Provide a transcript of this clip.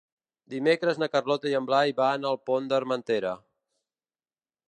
Dimecres na Carlota i en Blai van al Pont d'Armentera.